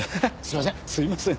すいません！